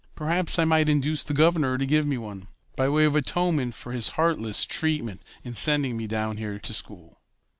Perhaps I might induce the governor to give me one, by way of atonement for his heartless treatment in sending me down here to school."